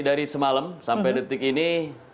dari semalam sampai detik ini